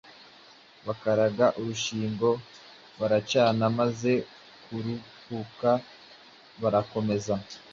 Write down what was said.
bakaraga urushingo baracana. Bamaze kuruhuka bakomeza